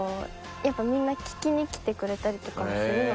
やっぱみんな聞きに来てくれたりとかもするので。